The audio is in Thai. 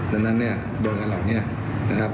ดังนั้นเนี่ยโดยการเหล่านี้นะครับ